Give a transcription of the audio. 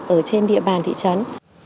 ở trên địa bàn thị trấn